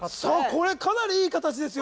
これかなりいい形ですよ